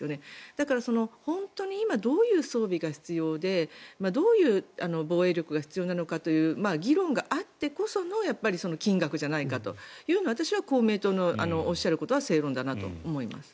だから、本当に今、どういう装備が必要でどういう防衛力が必要なのかという議論があってこその金額じゃないかというのが私は公明党のおっしゃることは正論だと思います。